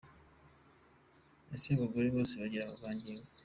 Ese abagore bose bagira amavangingo ?.